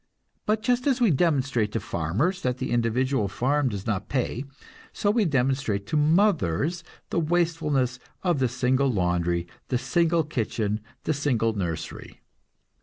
But just as we demonstrate to farmers that the individual farm does not pay, so we demonstrate to mothers the wastefulness of the single laundry, the single kitchen, the single nursery.